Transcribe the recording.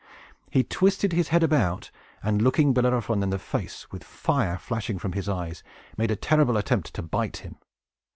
He twisted his head about, and, looking Bellerophon in the face, with fire flashing from his eyes, made a terrible attempt to bite him.